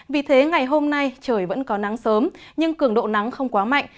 vì thế ngày hôm nay trời vẫn có nắng sớm nhưng cường độ nắng không quá mạnh